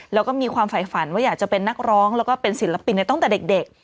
แล้วก็มีความฝ่ายฝันว่าอยากจะเป็นนักร้องแล้วก็เป็นศิลปินในตั้งแต่เด็ก